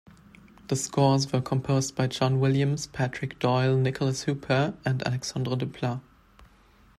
The scores were composed by John Williams, Patrick Doyle, Nicholas Hooper, and Alexandre Desplat.